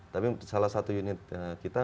tapi salah satu unit kita